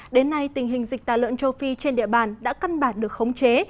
đến nay tình hình dịch tà lợn châu phi trên địa bàn đã căn bản được khống chế